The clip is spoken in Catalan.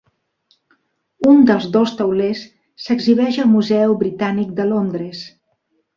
Un dels dos taulers s'exhibeix al Museu Britànic de Londres.